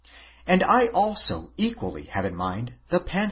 And Lalso equally have in mind the panther, *!